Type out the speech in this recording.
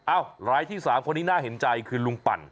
รายที่๓คนนี้น่าเห็นใจคือลุงปั่น